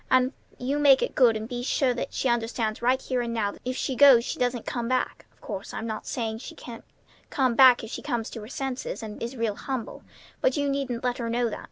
And you make it good and sure that she understands right here and now that if she goes she doesn't come back. Of course, I'm not saying she can't come back if she comes to her senses, and is real humble; but you needn't let her know that.